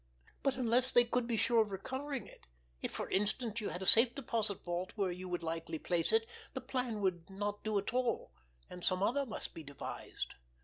But unless they could be sure of recovering it—if for instance you had a safe deposit vault where you would likely place it—that plan would not do at all, and some other must be devised.